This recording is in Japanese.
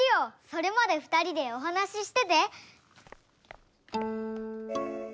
それまでふたりでお話ししてて。